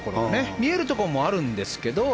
見えるところもあるんですけど